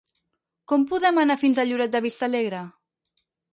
Com podem anar fins a Lloret de Vistalegre?